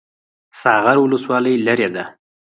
ساغر ولسوالۍ لیرې ده؟